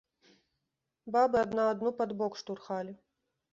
Бабы адна адну пад бок штурхалі.